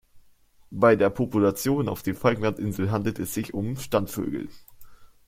Bei der Population auf den Falklandinseln handelt es sich um Standvögel.